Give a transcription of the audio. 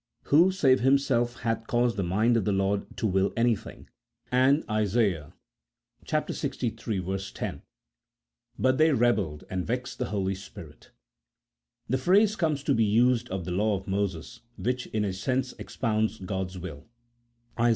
who, save Him self, hath caused the mind of the Lord to will anything ? and Isa. lxiii. 10 :" But they rebelled, and vexed the Holy Spirit." The phrase comes to be used of the law of Moses, which in a sense expounds God's will, Is.